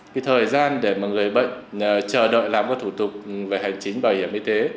cái thời gian để mà người bệnh chờ đợi làm các thủ tục về hành chính bảo hiểm y tế